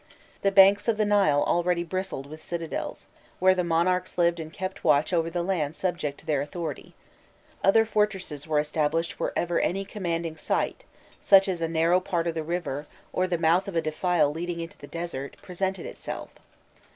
The banks of the Nile already bristled with citadels, where the monarchs lived and kept watch over the lands subject to their authority: other fortresses were established wherever any commanding site such as a narrow part of the river, or the mouth of a defile leading into the desert presented itself.